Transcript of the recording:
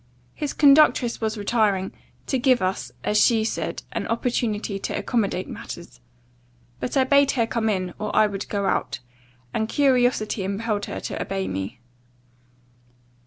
His conductress was retiring, to give us, as she said, an opportunity to accommodate matters. But I bade her come in, or I would go out; and curiosity impelled her to obey me.